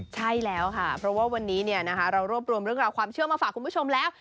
ใช่แล้วค่ะเพราะว่าวันนี้เรารวบรวมเรื่องราวความเชื่อมาฝากคุณผู้ชมแล้ว